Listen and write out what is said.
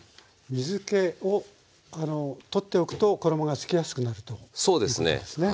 水けを取っておくと衣がつきやすくなるということですね。